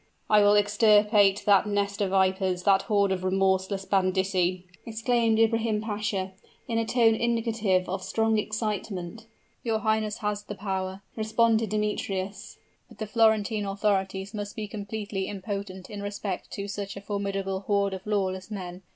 "I will extirpate that nest of vipers that horde of remorseless banditti!" exclaimed Ibrahim Pasha, in a tone indicative of strong excitement. "Your highness has the power," responded Demetrius; "but the Florentine authorities must be completely impotent in respect to such a formidable horde of lawless men.